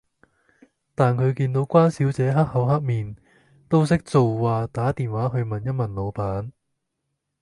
但佢見到關小姐黑口黑面，都識做話打電話去問一問老闆